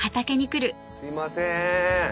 すいません。